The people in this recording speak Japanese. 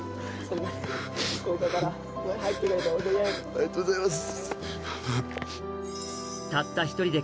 ありがとうございます。